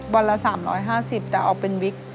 วันละ๓๕๐แต่ออกเป็นวิก